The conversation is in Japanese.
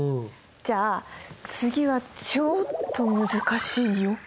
じゃあ次はちょっと難しいよ。